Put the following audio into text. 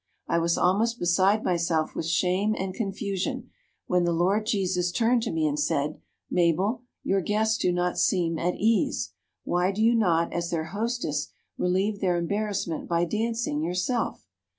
I was almost beside myself with shame and confusion, when the Lord Jesus turned to me and said: 'Mabel, your guests do not seem at ease. Why do you not, as their hostess, relieve their embarrassment by dancing, yourself?